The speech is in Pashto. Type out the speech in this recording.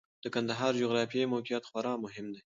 د کندهار جغرافیايي موقعیت خورا مهم دی.